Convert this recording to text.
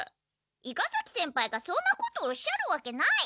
伊賀崎先輩がそんなことおっしゃるわけない。